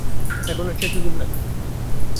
এখন আর সে সুযোগ নাই।